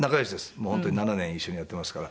もう本当に７年一緒にやってますから。